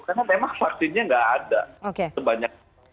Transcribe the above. karena memang vaksinnya tidak ada